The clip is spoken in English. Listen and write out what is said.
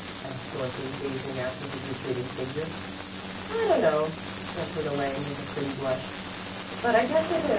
asked Dorothy, gazing after his retreating figure. "I don't know," answered Elaine, with a pretty blush, "but I guess it is."